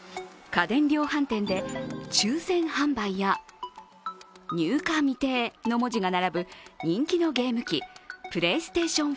家電量販店で抽選販売や入荷未定の文字が並ぶ人気のゲーム機、プレイステーション５。